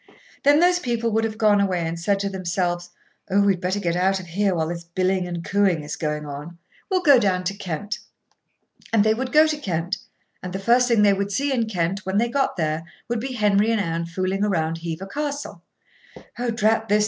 Then those people would have gone away and said to themselves: "Oh! we'd better get out of here while this billing and cooing is on. We'll go down to Kent." And they would go to Kent, and the first thing they would see in Kent, when they got there, would be Henry and Anne fooling round Hever Castle. "Oh, drat this!"